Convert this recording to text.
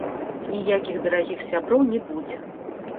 Ніякіх дарагіх сяброў не будзе.